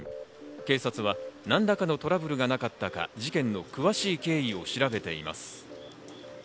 警察は何らかのトラブルがなかったか、事件の詳しい経緯を調べています。